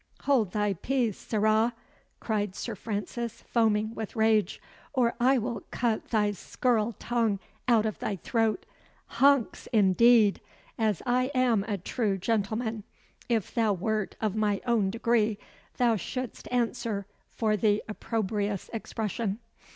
"Hold thy peace, sirrah!" cried Sir Francis, foaming with rage, "or I will cut thy scurril tongue out of thy throat. Huncks, indeed! As I am a true gentleman, if thou wert of my own degree, thou shouldst answer for the opprobrious expression."